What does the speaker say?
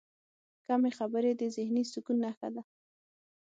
کمې خبرې، د ذهني سکون نښه ده.